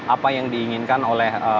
apa yang diinginkan oleh